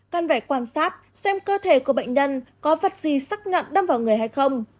căn phải quan sát xem cơ thể của bệnh nhân có vật gì xác nhận đâm vào người hay không